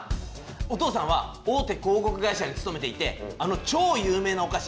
お父さんは大手広告会社に勤めていてあの超有名なおかし。